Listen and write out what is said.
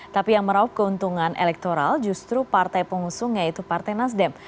tapi yang meraup keuntungan elektoral justru partai pengusung yaitu partai nasdem